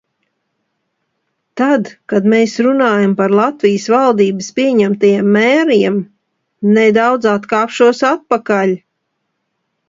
Tad, kad mēs runājam par Latvijas valdības pieņemtajiem mēriem, nedaudz atkāpšos atpakaļ.